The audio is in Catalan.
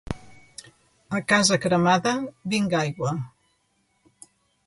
A casa cremada, vinga aigua.